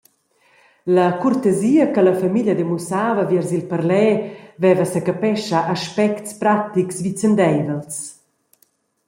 La curtesia che la famiglia demussava viers il parler veva secapescha aspects pratics vicendeivels.